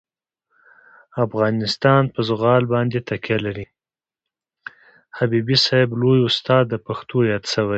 حبیبي صاحب لوی استاد د پښتو یاد سوی دئ.